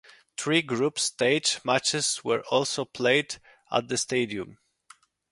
Three group stage matches were also played at the stadium.